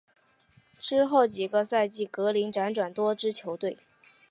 之后几个赛季格林转辗多支球队。